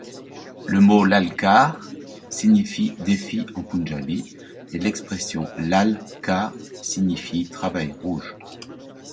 Le mot 'lalkar' signifie 'défi' en punjabi et l'expression 'lal kar' signifie 'travail rouge'.